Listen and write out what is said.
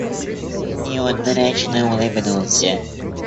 И он мрачно улыбнулся.